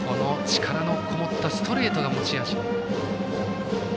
力のこもったストレートが持ち味です。